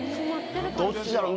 どっちだろう？